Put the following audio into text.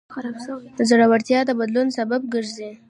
زړورتیا د بدلون سبب ګرځي.